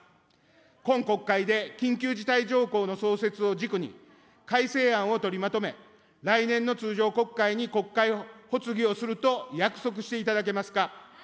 今国会で緊急事態条項の創設を軸に、改正案を取りまとめ、来年の通常国会に国会発議をすると約束していただけますか。